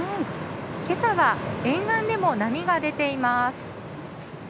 けさは沿岸でも波が出ています。